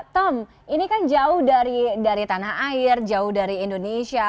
tom ini kan jauh dari tanah air jauh dari indonesia